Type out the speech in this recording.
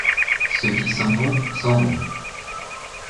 Ceux qui s’en vont, s’en vont.